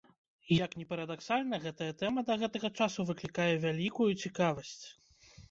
Як ні парадаксальна, гэтая тэма да гэтага часу выклікае вялікую цікавасць.